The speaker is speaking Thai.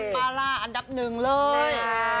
ปลาร่าอันดับหนึ่งเลย